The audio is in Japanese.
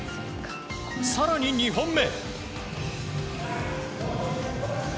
更に２本目。